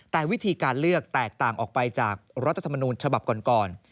แต่วิธีการเลือกแตกต่างออกไปจากรัฐธรรมนูญฉบับก่อน